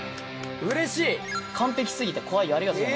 うれしい「完璧過ぎて怖いよ」